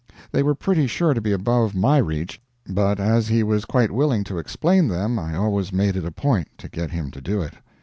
They were pretty sure to be above my reach, but as he was quite willing to explain them I always made it a point to get him to do it.